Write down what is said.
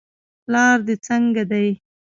پلار دې څنګه دی.